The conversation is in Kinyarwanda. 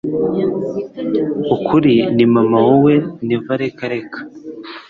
ukuri ni mamma wowe neva reka reka